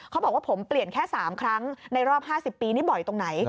เขาบอกว่าผมเปลี่ยนแค่๓ครั้งในรอบ๕๐ปีนี่บ่อยตรงไหน